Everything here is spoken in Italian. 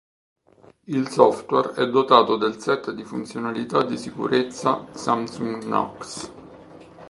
Il software è dotato del set di funzionalità di sicurezza Samsung Knox.